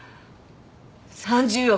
３０億。